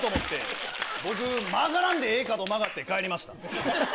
僕曲がらんでええ角曲がって帰りました。